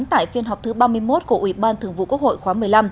tại phiên họp thứ ba mươi một của ủy ban thường vụ quốc hội khóa một mươi năm